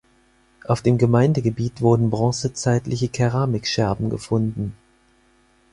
Auf dem Gemeindegebiet wurden bronzezeitliche Keramikscherben gefunden.